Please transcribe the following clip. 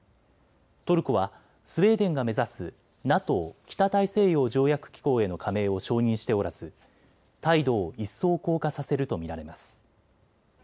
トルコはスウェーデンが目指すＮＡＴＯ・北大西洋条約機構への加盟を承認しておらず態度を一層硬化させると見られます。